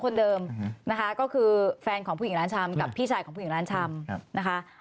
คนเดิมนะคะก็คือแฟนของผู้หญิงร้านชำกับพี่ชายของผู้หญิงร้านชำนะคะ